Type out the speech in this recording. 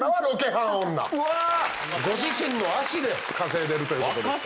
ご自身の足で稼いでるということですから。